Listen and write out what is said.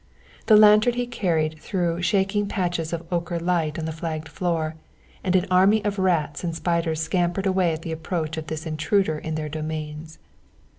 The lantern he carried threw shaking patches of ochre light on the flagged floor, and an army of rats and spiders scampered away at the approach of this intruder in their domains.